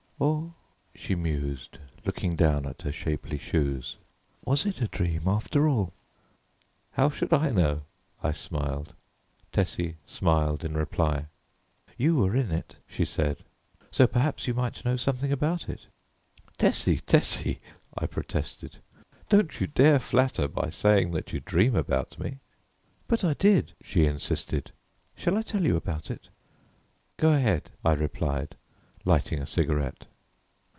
Or," she mused, looking down at her shapely shoes, "was it a dream after all?" "How should I know?" I smiled. Tessie smiled in reply. "You were in it," she said, "so perhaps you might know something about it." "Tessie! Tessie!" I protested, "don't you dare flatter by saying that you dream about me!" "But I did," she insisted; "shall I tell you about it?" "Go ahead," I replied, lighting a cigarette.